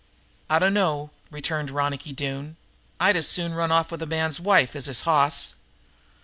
"I dunno," returned Ronicky Doone. "I'd as soon run off with a man's wife as his hoss."